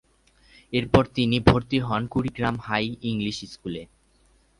এরপর তিনি ভর্তি হন কুড়িগ্রাম হাই ইংলিশ স্কুলে।